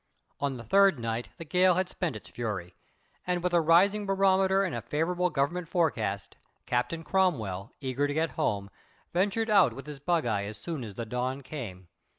On the third night the gale had spent its fury, and, with a rising barometer and a favorable Government forecast, Captain Cromwell, eager to get home, ventured out with his bugeye as soon as the dawn came.